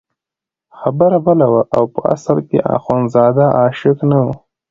خبره بله وه او په اصل کې اخندزاده عاشق نه وو.